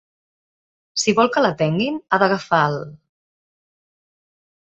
Si vol que l'atenguin, ha d'agafar el.